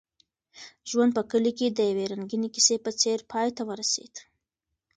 ژوند په کلي کې د یوې رنګینې کیسې په څېر پای ته ورسېد.